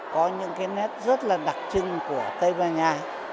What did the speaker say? có những cái nét rất là đặc trưng của tây ban nha